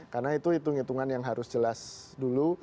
karena itu hitung hitungan yang harus jelas dulu